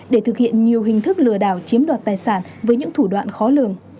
để thực hiện nhiều hình thức lừa đảo chiếm đoạt tài sản với những thủ đoạn khó lường